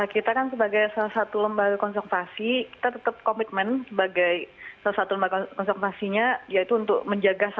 kita kan sebagai salah satu lembar konsultasi kita tetap komitmen sebagai salah satu lembar konsultasinya yaitu untuk menjaga satwa ya